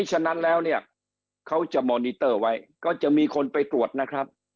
ฉะนั้นแล้วเนี่ยเขาจะมอนิเตอร์ไว้ก็จะมีคนไปตรวจนะครับ